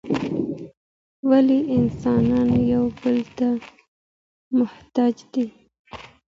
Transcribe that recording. ولي انسانان یو بل ته محتاج دي؟